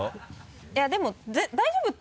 いやでも大丈夫って。